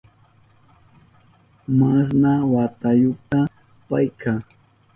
¿Masna watayuta payka?